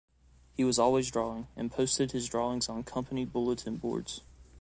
He was always drawing, and posted his drawings on company bulletin boards.